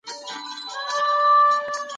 ګاز پایپ لاین څنګه د سیمې اقتصاد بدلولی سي؟